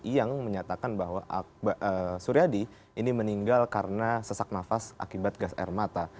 yang menyatakan bahwa suryadi ini meninggal karena sesak nafas akibat gas air mata